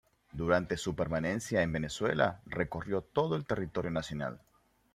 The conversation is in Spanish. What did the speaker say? Durante su permanencia en Venezuela recorrió todo el territorio nacional.